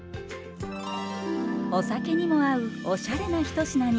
お酒にも合うおしゃれな一品に。